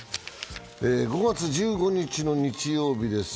５月１５日の日曜日です。